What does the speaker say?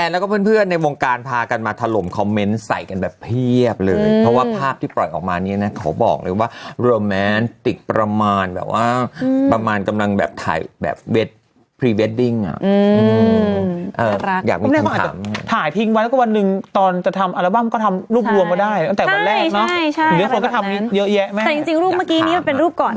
แล้วแบบว่าช่วงกลางมันเป็นลายเป็นวงนเนาะ